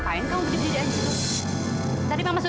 saya tinggal ber situations